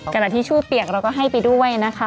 ขณะที่ชู่เปียกเราก็ให้ไปด้วยนะคะ